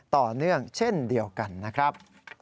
ต่อเนื่องเช่นเดียวกันนะครับ